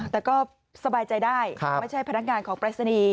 แต่ก็สบายใจได้ไม่ใช่พนักงานของปรายศนีย์